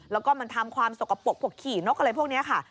แล้วก็มันทำความสกปรกพวกขี่นกอะไรพวกนี้ค่ะ